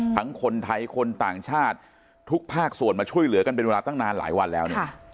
คนไทยคนต่างชาติทุกภาคส่วนมาช่วยเหลือกันเป็นเวลาตั้งนานหลายวันแล้วเนี่ย